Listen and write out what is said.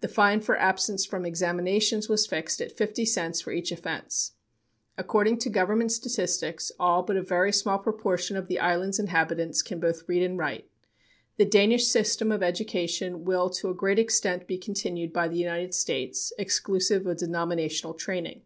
The fine for absence from examinations was fixed at fifty cents for each offence. According to Government statistics, all but a very small proportion of the islands' inhabitants can both read and write. The Danish system of education will to a great extent be continued by the United States, exclusive of denominational training.